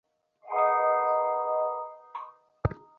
ব্যাপার এই, আমরা বিশেষ হইতে সাধারণ তত্ত্বে উপনীত হইয়া থাকি।